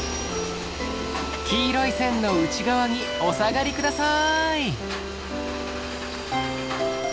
黄色い線の内側にお下がりください。